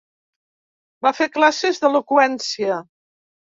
Va fer classes d'eloqüència.